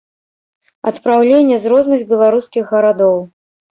Адпраўленне з розных беларускіх гарадоў.